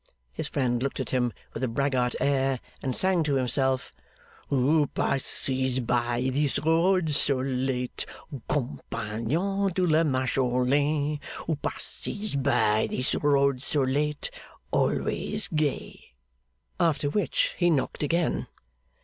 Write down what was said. His friend looked at him with a braggart air, and sang to himself. 'Who passes by this road so late? Compagnon de la Majolaine; Who passes by this road so late? Always gay!' After which he knocked again.